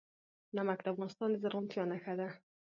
نمک د افغانستان د زرغونتیا نښه ده.